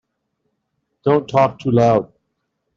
Don't talk too loud.